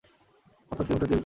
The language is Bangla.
মস্তক অংশটি ভেঙে পড়েছে।